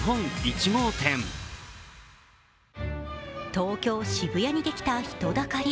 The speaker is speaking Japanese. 東京・渋谷にできた人だかり。